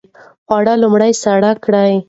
خواړه لومړی ساړه کړئ.